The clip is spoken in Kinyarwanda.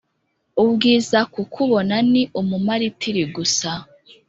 Ubwiza kukubona ni umumaritiri gusa